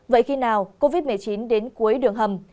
vậy khi nào covid một mươi chín đến cuối đường hầm